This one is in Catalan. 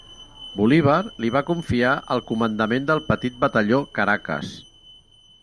Bolívar li va confiar el comandament del petit batalló Caracas.